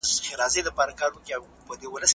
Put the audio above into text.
ماخذونه باید په خپله خوښه ونه ټاکل سي.